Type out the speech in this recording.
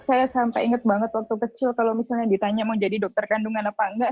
saya sampai ingat banget waktu kecil kalau misalnya ditanya mau jadi dokter kandungan apa enggak